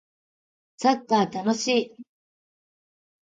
サッカー楽しい